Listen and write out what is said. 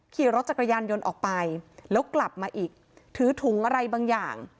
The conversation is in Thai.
ขี่รถจักรยานยนต์ออกไปแล้วกลับมาอีกถือถุงอะไรบางอย่าง